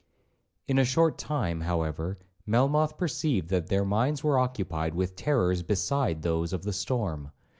In a short time, however, Melmoth perceived that their minds were occupied with terrors beside those of the storm.